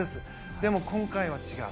でも今回は違う。